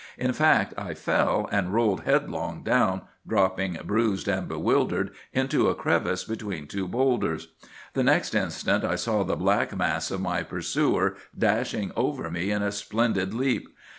In fact, I fell, and rolled headlong down, dropping bruised and bewildered into a crevice between two bowlders. The next instant I saw the black mass of my pursuer dashing over me in a splendid leap.